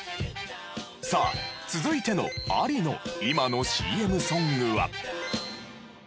さあ続いての「あり」の今のＣＭソングは。